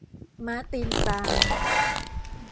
ม้าตีนปลาย